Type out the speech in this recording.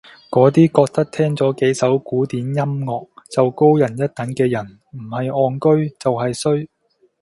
嗰啲覺得聽咗幾首古典音樂就高人一等嘅人唔係戇居就係衰